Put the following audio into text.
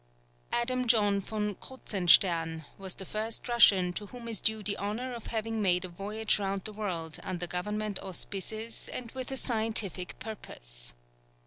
Adam John von Kruzenstern was the first Russian to whom is due the honour of having made a voyage round the world under government auspices and with a scientific purpose.